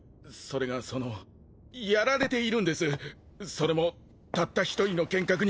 それもたった一人の剣客に。